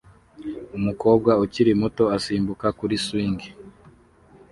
Umukobwa ukiri muto asimbuka kuri swing